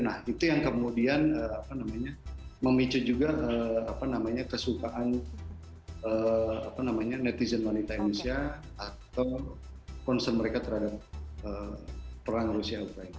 nah itu yang kemudian memicu juga kesukaan netizen wanita indonesia atau concern mereka terhadap perang rusia ukraina